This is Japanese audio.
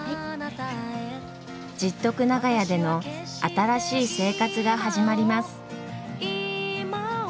十徳長屋での新しい生活が始まります。